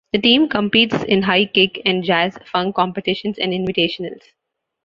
The team competes in high kick and jazz funk competitions and invitationals.